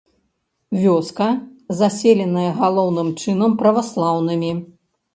Вёска заселеная галоўным чынам праваслаўнымі.